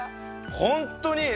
本当に。